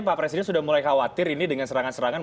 pak presiden sudah mulai khawatir ini dengan serangan serangan